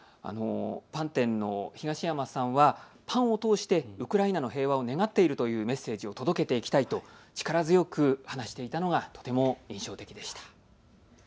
パン店の東山さんはパンを通してウクライナの平和を願っているというメッセージを届けていきたいと力強く話していたのがとても印象的でした。